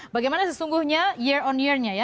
bagaimana sesungguhnya year on year nya ya